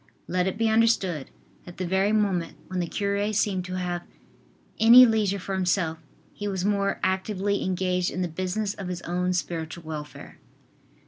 Let it be understood that the very moment when the cure seemed to have any leisure for himself, he was more actively engaged in the business of his own spiritual welfare.